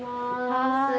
はい。